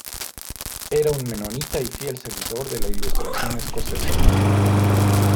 Era un menonita y fiel seguidor de la Ilustración escocesa.